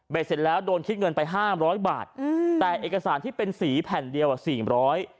เสร็จแล้วโดนคิดเงินไปห้ามร้อยบาทอืมแต่เอกสารที่เป็นสีแผ่นเดียวอ่ะสี่ร้อย